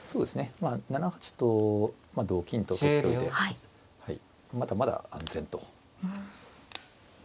まあ７八と同金と取っておいてまだまだ安全と。